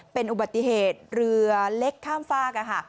เป็นอุบัติเหตุเรือเล็กข้ามฝาก